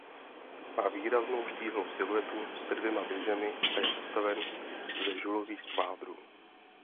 Má výraznou štíhlou siluetu se dvěma věžemi a je postaven ze žulových kvádrů.